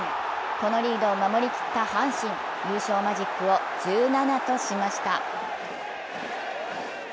このリードを守り切った阪神、優勝マジックを１７としました。